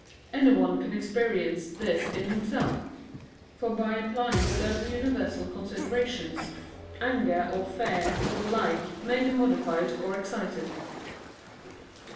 Anyone can experience this in himself: for by applying certain universal considerations, anger or fear or the like may be modified or excited.